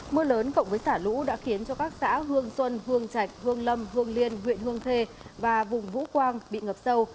mưa lớn cộng với xả lũ đã khiến cho các xã hương xuân hương trạch hương lâm hương liên huyện hương khê và vùng vũ quang bị ngập sâu